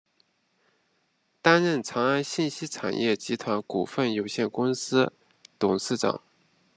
担任长安信息产业集团股份有限公司董事长。